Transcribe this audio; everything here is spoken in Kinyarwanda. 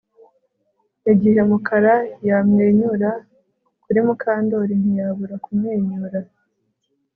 Igihe Mukara yamwenyura kuri Mukandoli ntiyabura kumwenyura